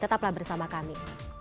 tetaplah bersama kami